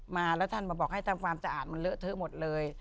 มาแล้วท่านมาบอกให้ทำความสะอาดมันเลอะเทอะหมดเลย